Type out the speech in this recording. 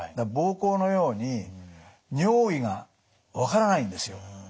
膀胱のように尿意が分からないんですよ。